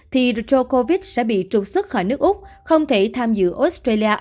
thì joe covid sẽ bị trục xuất khỏi nước úc không thể tham dự australia open hai nghìn hai mươi